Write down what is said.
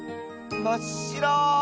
まっしろ。